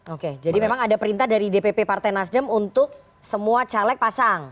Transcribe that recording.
oke jadi memang ada perintah dari dpp partai nasdem untuk semua caleg pasang